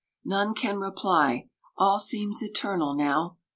None can reply — all seems eternal now.